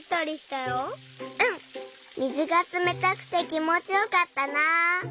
うん水がつめたくてきもちよかったな。